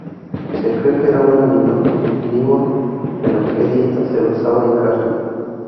Se cree que era un animal omnívoro, pero que dieta se basaba en carne.